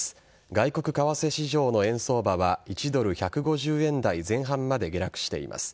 外国為替市場の円相場は１ドル１５０円台前半まで下落しています。